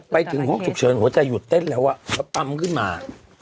ไปถึงห้องฉุกเฉินหัวใจหยุดเต้นแล้วแล้วปั๊มขึ้นมา